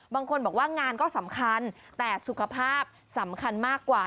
บางคนบอกว่างานก็สำคัญแต่สุขภาพสำคัญมากกว่า